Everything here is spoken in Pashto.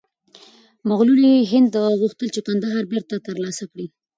مغولي هند غوښتل چې کندهار بېرته ترلاسه کړي.